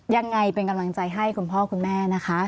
ยังไงเป็นกำลังใจให้คุณพ่อคุณแม่นะคะ